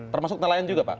termasuk nelayan juga pak